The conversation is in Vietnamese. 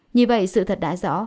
như vậy sự thật đã rõ